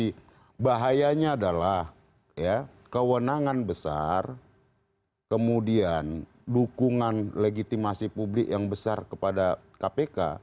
nah bahayanya adalah kewenangan besar kemudian dukungan legitimasi publik yang besar kepada kpk